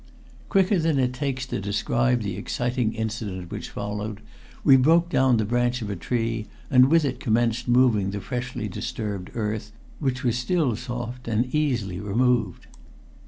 Quicker than it takes to describe the exciting incident which followed, we broke down the branch of a tree and with it commenced moving the freshly disturbed earth, which was still soft and easily removed.